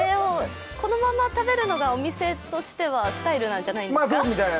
このまま食べるのがお店としてはスタイルなんじゃないですか？